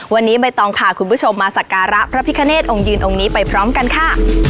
วันนี้ใบตองพาคุณผู้ชมมาสักการะพระพิคเนธองค์ยืนองค์นี้ไปพร้อมกันค่ะ